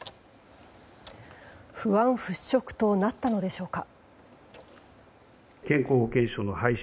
不安払拭となったのでしょうか。